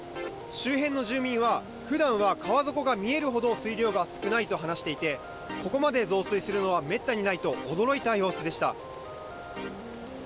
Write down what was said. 周辺の住民は、ふだんは川底が見えるほど水量が少ないと話していて、ここまで増水するのはめったにないと驚いた様子でした。